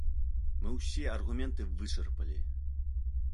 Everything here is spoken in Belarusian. Мы ўсе аргументы вычарпалі.